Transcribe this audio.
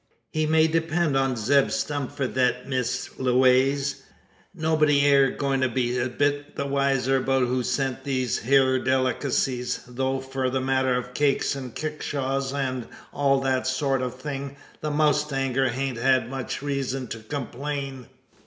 "He may depend on Zeb Stump for thet, Miss Lewaze. Nobody air a goin' to be a bit the wiser about who sent these hyur delekissies; though, for the matter o' cakes an kickshaws, an all that sort o' thing, the mowstanger hain't had much reezun to complain.